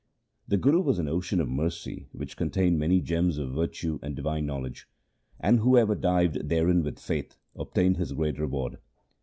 The Guru was an ocean of mercy which contained many gems of virtue and divine knowledge ; and whoever dived therein with faith obtained his great reward.